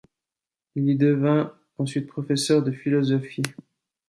Il y devint ensuite professeur de philosophie.